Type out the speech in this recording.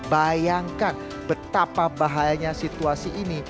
bayangkan betapa bahayanya situasi ini